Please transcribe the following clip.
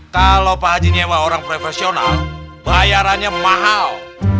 kalau pak haji nyewa orang profesional bayarannya mahal